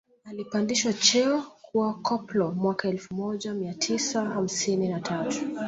Alipandishwa cheo kuwa koplo mwaka elfu moja mia tisa hamsini na tatu